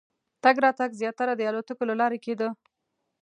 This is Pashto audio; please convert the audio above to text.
تګ راتګ زیاتره د الوتکو له لارې کېدی.